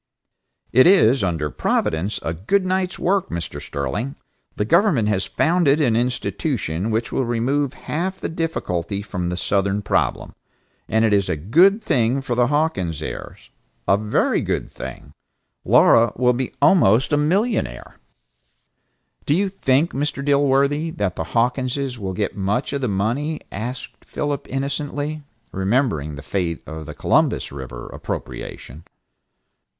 "It is, under Providence, a good night's work, Mr. Sterling. The government has founded an institution which will remove half the difficulty from the southern problem. And it is a good thing for the Hawkins heirs, a very good thing. Laura will be almost a millionaire." "Do you think, Mr. Dilworthy, that the Hawkinses will get much of the money?" asked Philip innocently, remembering the fate of the Columbus River appropriation.